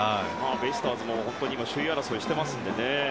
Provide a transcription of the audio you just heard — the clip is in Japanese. ベイスターズも今、首位争いをしてますからね。